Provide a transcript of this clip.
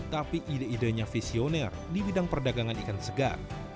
tapi ide idenya visioner di bidang perdagangan ikan segar